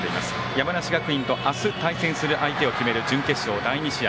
山梨学院と明日対戦する相手を決める準決勝第２試合。